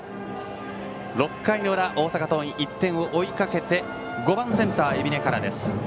６回の裏、大阪桐蔭１点を追いかけて５番センター、海老根からです。